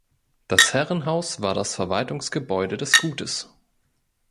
Das Herrenhaus war das Verwaltungsgebäude des Gutes.